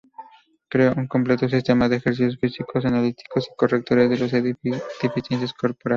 Creó un completo sistema de ejercicios físicos, analíticos y correctores de las deficiencias corporales.